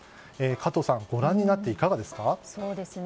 加藤さん、ご覧になっていかがですか？